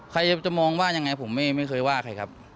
ใครจะมองว่ายังไงผมไม่เคยว่าใครครับ